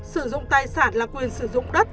sử dụng tài sản là quyền sử dụng đất